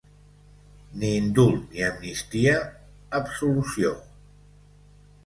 Ni indult ni amnistia, absolució